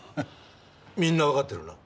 みんなわかってるな？